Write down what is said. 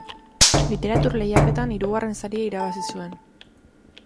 Literatur lehiaketan hirugarren saria irabazi zuen.